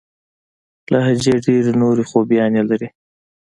لهجې ډېري نوري خوباياني لري.